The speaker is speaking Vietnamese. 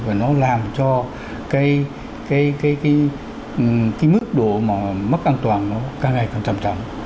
và nó làm cho cái mức độ mất an toàn nó càng ngày càng trầm trầm